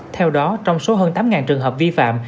theo đó trong số hơn tám trường hợp vi phạm